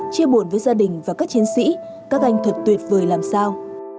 chia buồn với gia đình và các chiến sĩ các anh thật tuyệt vời làm sao